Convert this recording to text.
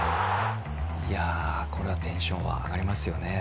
これはテンションは上がりますよね。